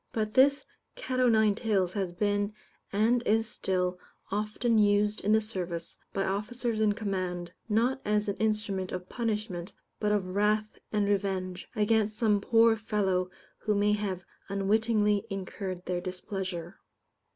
But this cat o' nine tails has been, and is still, often used in the service, by officers in command, not as an instrument of punishment, but of wrath and revenge, against some poor fellow who may have unwittingly incurred their displeasure.